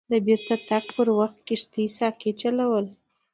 د بیرته تګ پر وخت کښتۍ ساقي چلول.